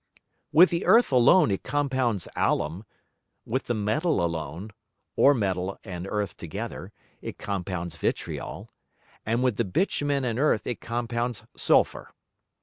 With the Earth alone it compounds Allum; with the Metal alone, or Metal and Earth together, it compounds Vitriol; and with the Bitumen and Earth it compounds Sulphur.